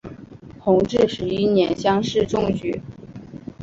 弘治十一年乡试中举。